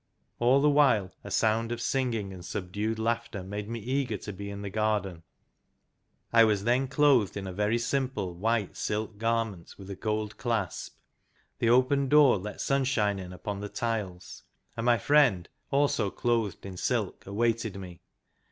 All the while a sound of singing and subdued laughter made me eager to be in the garden. I was then clothed in a very simple white silk garment with a gold clasp ; the open door let sunshine in upon the tiles, and my friend, also clothed in silk, awaited me.